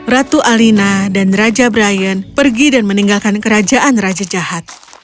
ratu alina dan raja brian pergi dan meninggalkan kerajaan raja jahat